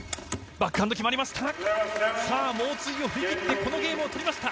バックハンド決まりました。